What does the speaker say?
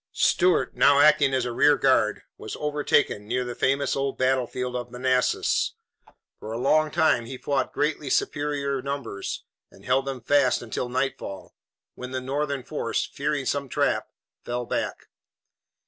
Stuart, now acting as a rear guard, was overtaken near the famous old battlefield of Manassas. For a long time he fought greatly superior numbers and held them fast until nightfall, when the Northern force, fearing some trap, fell back.